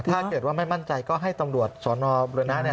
ถ้าเกิดว่าไม่มั่นใจก็ให้ตำรวจสนบุรณะเนี่ย